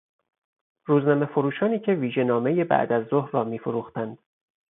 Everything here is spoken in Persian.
روزنامه فروشانی که ویژه نامهی بعدازظهر را میفروختند